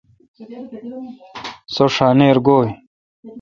سو ݭانیر گویں۔